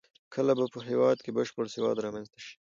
کله به په هېواد کې بشپړ سواد رامنځته شي؟